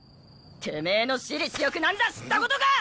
テメエの私利私欲なんざ知ったことか！